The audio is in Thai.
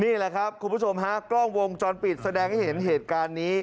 นี่แหละครับคุณผู้ชมฮะกล้องวงจรปิดแสดงให้เห็นเหตุการณ์นี้